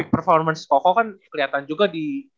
performance koko kan keliatan juga di